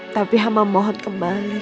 tapi ham memohon kembali